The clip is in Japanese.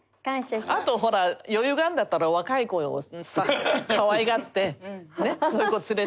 あとほら余裕があるんだったら若い子をさかわいがってその子を連れて食事へ。